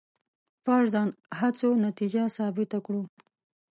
فرضاً هڅو نتیجه ثابته کړو.